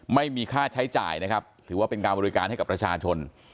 ไม่มีค่าใช้จ่ายนะครับถือว่าเป็นการบริการให้กับประชาชน